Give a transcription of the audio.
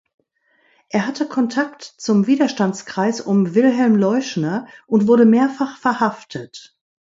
Er hatte Kontakt zum Widerstandskreis um Wilhelm Leuschner und wurde mehrfach verhaftet.